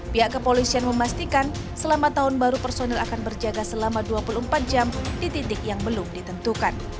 pihak kepolisian memastikan selama tahun baru personil akan berjaga selama dua puluh empat jam di titik yang belum ditentukan